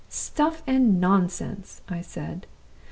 'Stuff and nonsense!' I said.